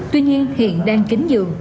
tuy nhiên hiện đang kính dường